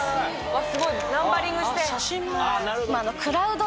すごいナンバリングして。